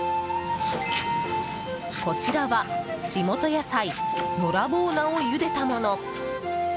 こちらは、地元野菜のらぼう菜をゆでたもの。